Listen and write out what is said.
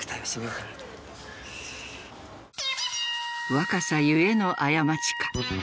「若さゆえの過ちか」。